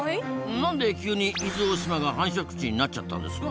なんで急に伊豆大島が繁殖地になっちゃったんですか？